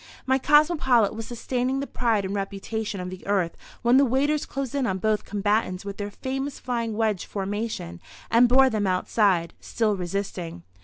My cosmopolite was sustaining the pride and reputation of the Earth when the waiters closed in on both combatants with their famous flying wedge formation and bore them outside, still resisting.